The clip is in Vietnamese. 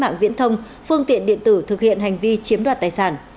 mạng viễn thông phương tiện điện tử thực hiện hành vi chiếm đoạt tài sản